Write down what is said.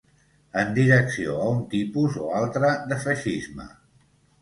En direcció a un tipus o altre de feixisme